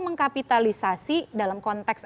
mengkapitalisasi dalam konteks